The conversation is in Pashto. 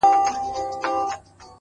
مه وايه دا چي اور وړي خوله كي;